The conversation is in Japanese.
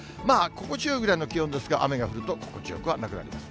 心地よいぐらいの気温ですが、雨が降ると心地よくはなくなります。